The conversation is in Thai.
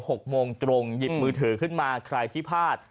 หกโมงตรงหยิบมือถือขึ้นมาใครที่พลาด